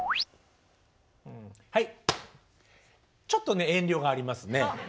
はいちょっとね遠慮がありますね。